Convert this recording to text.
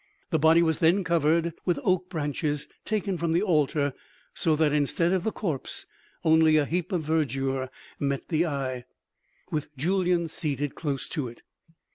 The body was then covered with oak branches taken from the altar, so that, instead of the corpse, only a heap of verdure met the eye, with Julyan seated close to it.